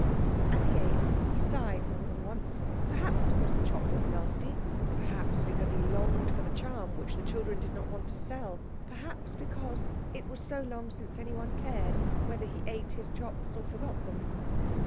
As he ate it he sighed more than once. Perhaps because the chop was nasty, perhaps because he longed for the charm which the children did not want to sell, perhaps because it was so long since anyone cared whether he ate his chops or forgot them.